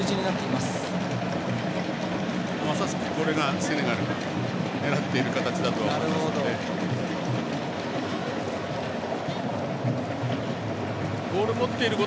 まさしくこれがセネガルが狙っている形だと思います。